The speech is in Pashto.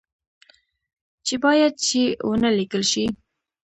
چې باید چي و نه لیکل شي